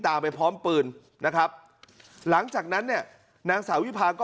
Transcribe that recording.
ไปพร้อมปืนนะครับหลังจากนั้นเนี่ยนางสาววิพาก็